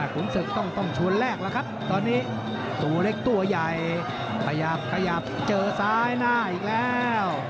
ขุมศึกต้องไชว์แรกแล้วล่ะครับตอนนี้ตัวเล็กตัวยักพยายามเขียบเจอสายหน้าอีกแล้ว